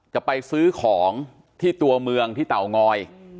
จะไปซื้อของที่ตัวเมืองที่เตางอย